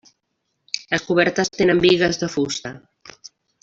Les cobertes tenen bigues de fusta.